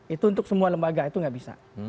itu untuk semua lembaga itu nggak bisa